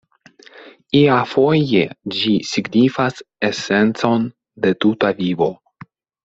Iafoje ĝi signifas esencon de tuta vivo.